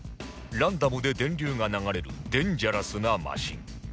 ランダムで電流が流れるデンジャラスなマシン